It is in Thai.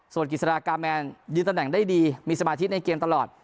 ส่วนกิจสดากาแมนยืนตำแหน่งได้ดีมีสมาธิในเกมตลอด